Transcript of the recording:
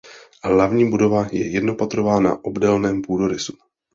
Hlavní budova je jednopatrová na obdélném půdorysu.